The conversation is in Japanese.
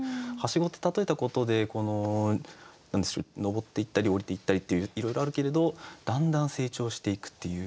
梯子って例えたことで登っていったり降りていったりっていういろいろあるけれどだんだん成長していくっていう。